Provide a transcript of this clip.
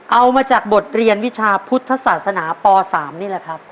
เอามาจากบทเรียนวิชาพุทธศาสนาป๓นี่แหละครับ